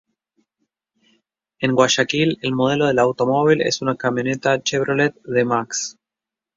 En Guayaquil, el modelo del automóvil es una camioneta Chevrolet D-Max.